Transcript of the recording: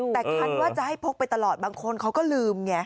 แต่คันว่าจะให้พกไปตลอดบางคนเขาก็ลืมไง